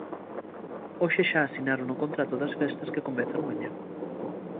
Hoxe xa asinaron o contrato das festas que comezan mañá.